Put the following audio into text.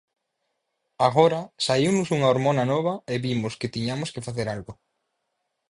Agora saíunos unha hormona nova e vimos que tiñamos que facer algo.